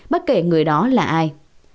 bất kể người đó là ai